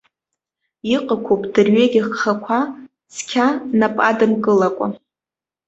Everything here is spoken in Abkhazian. Иҟақәоуп дырҩеигь агхақәа, цқьа нап адымкылакәа.